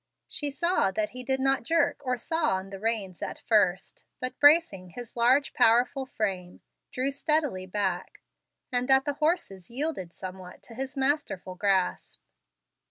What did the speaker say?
She saw that he did not jerk or saw on the reins at first, but, bracing his large powerful frame, drew steadily back, and that the horses yielded somewhat to his masterful grasp.